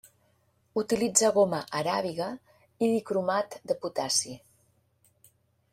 Utilitza goma aràbiga i dicromat de potassi.